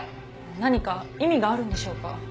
何か意味があるんでしょうか？